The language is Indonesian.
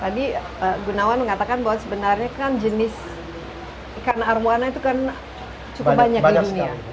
tadi gunawan mengatakan bahwa sebenarnya kan jenis ikan arowana itu kan cukup banyak di dunia